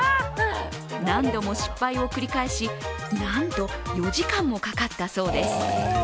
何度も失敗を繰り返しなんと４時間もかかったそうです。